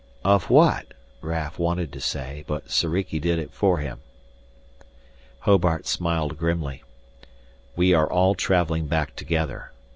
"Of what?" Raf wanted to ask, but Soriki did it for him. Hobart smiled grimly. "We are all traveling back together.